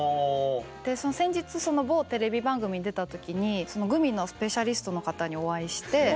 で先日某テレビ番組に出た時にグミのスペシャリストの方にお会いして。